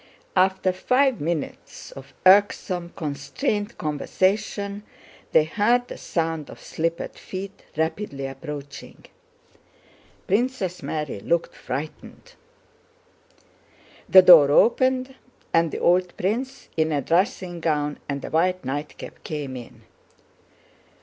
After five minutes of irksome, constrained conversation, they heard the sound of slippered feet rapidly approaching. Princess Mary looked frightened. The door opened and the old prince, in a dressing gown and a white nightcap, came in.